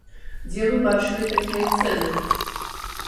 Дзе вы бачылі такія цэны.